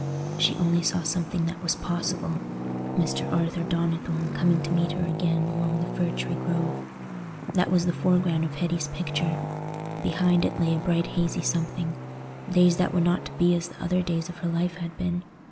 She only saw something that was possible: Mr. Arthur Donnithorne coming to meet her again along the Fir tree Grove. That was the foreground of Hetty's picture; behind it lay a bright hazy something—days that were not to be as the other days of her life had been.